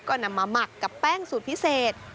ก็นำมาหมักกับแป้งสูตรพิเศษ